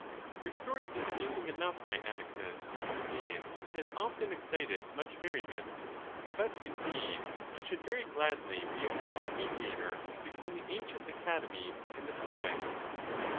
—Y our story is amusing enough, my Atticus, and it has often excited much merriment; but, indeed, I should very gladly be appointed mediator between the ancient Academy and the Stoics.